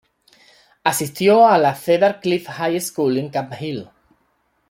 Asistió a la Cedar Cliff High School en Camp Hill.